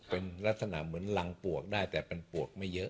เป็นลักษณะเหมือนรังปวกได้แต่เป็นปวกไม่เยอะ